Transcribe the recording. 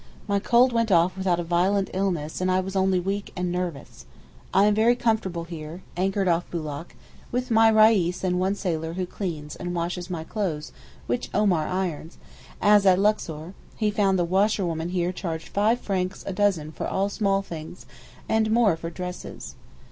My cold went off without a violent illness and I was only weak and nervous. I am very comfortable here, anchored off Boulak, with my Reis and one sailor who cleans and washes my clothes which Omar irons, as at Luxor, as he found the washerwomen here charged five francs a dozen for all small things and more for dresses.